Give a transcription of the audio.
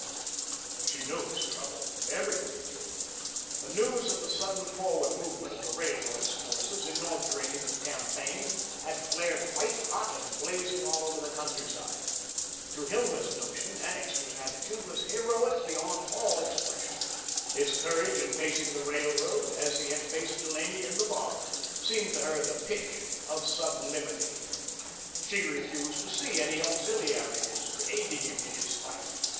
She knew his trouble. Everybody did. The news of the sudden forward movement of the Railroad's forces, inaugurating the campaign, had flared white hot and blazing all over the country side. To Hilma's notion, Annixter's attitude was heroic beyond all expression. His courage in facing the Railroad, as he had faced Delaney in the barn, seemed to her the pitch of sublimity. She refused to see any auxiliaries aiding him in his fight.